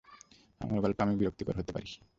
আমার গল্পে আমি বিরক্তিকর হতে পারি।